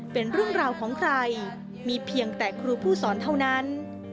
เป็นเรื่องราวของใครมีเพียงแต่ครูผู้สอนเท่านั้น